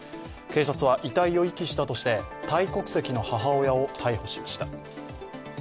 警察は遺体を遺棄したとして、タイ国籍の母親を逮捕しました。